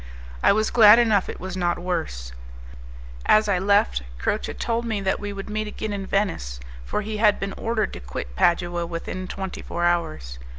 I was glad enough it was not worse. As I left, Croce told me that we would meet again in Venice, for he had been ordered to quit Padua within twenty four hours.